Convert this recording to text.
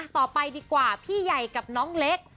ต่อไปดีกว่าพี่ใหญ่กับน้องเล็ก